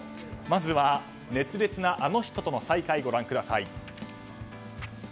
まずは熱烈なあの人との再会ご覧ください。